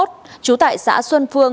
trú tại xã xuân phương